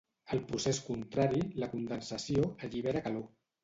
El procés contrari, la condensació, allibera calor.